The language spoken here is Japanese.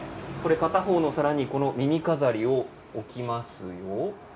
片方のお皿に耳飾りを置きます。